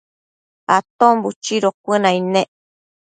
Aton buchido cuënaid nec